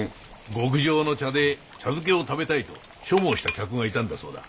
極上の茶で茶漬けを食べたいと所望した客がいたんだそうだ。